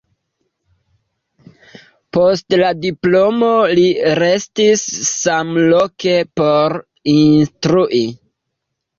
Post la diplomo li restis samloke por instrui.